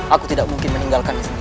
aku tidak mungkin meninggalkan istana